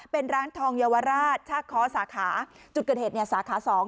เป็นร้านทองเยาวราชชากค้อสาขาจุดเกิดเหตุเนี่ยสาขาสอง